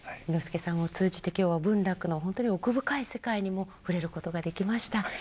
簑助さんを通じて今日は文楽の本当に奥深い世界にも触れることができました。